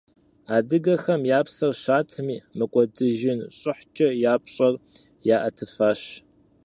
Адыгэхэм я псэр щатми, мыкӀуэдыжын щӀыхькӀэ я пщӀэр яӀэтыфащ.